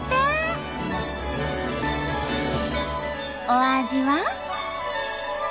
お味は？